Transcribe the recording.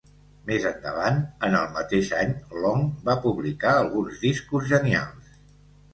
Més endavant, en el mateix any, Long va publicar alguns discos genials.